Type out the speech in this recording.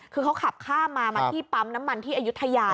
คือเขาขับข้ามมามาที่ปั๊มน้ำมันที่อายุทยา